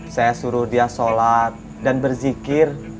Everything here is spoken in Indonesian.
saya suruh dia sholat dan berzikir